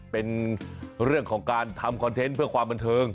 เป็นเรื่องของการทำคอนเทนต์เพื่อความบันเทิง